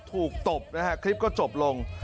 ตบนะฮะคลิปก็จบลง